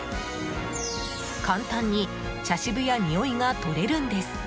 簡単に茶渋やにおいがとれるんです。